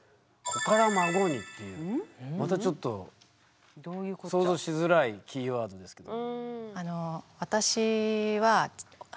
またちょっと想像しづらいキーワードですけど。